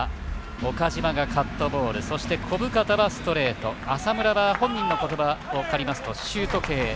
岡島がカットボール小深田はストレート浅村は、本人の言葉を借りますとシュート系。